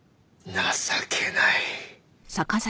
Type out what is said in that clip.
情けない。